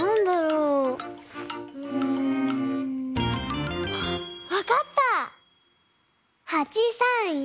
うん。あっわかった！